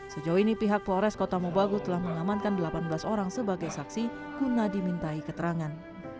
sejauh ini pihak polres kota mobagu telah mengamankan delapan belas orang sebagai saksi guna dimintai keterangan